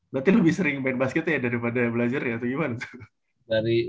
berarti lebih sering main basketnya ya daripada belajar ya atau gimana